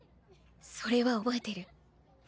それは覚えてる。